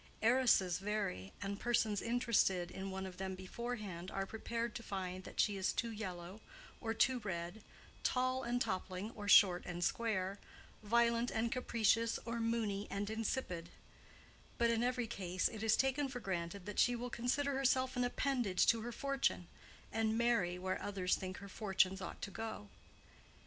Heiresses vary, and persons interested in one of them beforehand are prepared to find that she is too yellow or too red, tall and toppling or short and square, violent and capricious or moony and insipid; but in every case it is taken for granted that she will consider herself an appendage to her fortune, and marry where others think her fortunes ought to go.